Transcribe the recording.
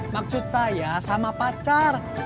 maksud saya sama pacar